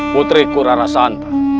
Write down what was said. putriku rara santa